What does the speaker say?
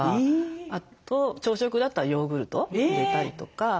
あと朝食だったらヨーグルトを入れたりとか。